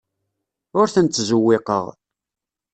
Ur ten-ttzewwiqeɣ.